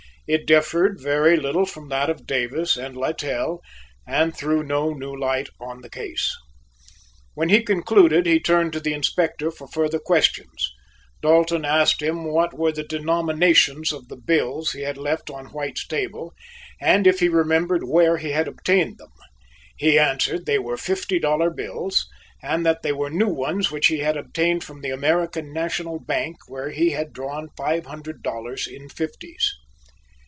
It differed very little from that of Davis and Littell and threw no new light on the case. When he concluded he turned to the Inspector for further questions. Dalton asked him what were the denominations of the bills he had left on White's table and if he remembered where he had obtained them. He answered they were fifty dollar bills and that they were new ones which he had obtained from the American National Bank where he had drawn five hundred dollars in fifties.